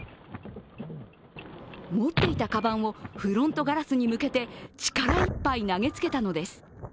持っていたかばんをフロントガラスに向けて力いっぱい投げつけたのです。